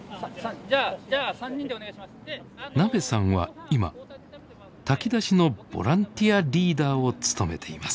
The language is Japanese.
なべさんは今炊き出しのボランティアリーダーを務めています。